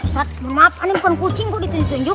ustadz maaf ini bukan kucing kok ditunjuk tunjuk